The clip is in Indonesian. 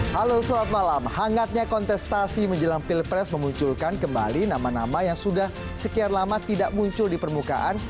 halo selamat malam hangatnya kontestasi menjelang pilpres memunculkan kembali nama nama yang sudah sekian lama tidak muncul di permukaan